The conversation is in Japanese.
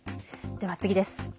では次です。